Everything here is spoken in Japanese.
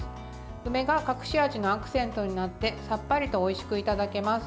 梅が隠し味のアクセントになってさっぱりとおいしくいただけます。